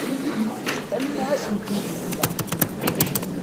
Alma asen-ten-yekfa.